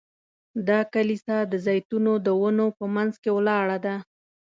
دا کلیسا د زیتونو د ونو په منځ کې ولاړه ده.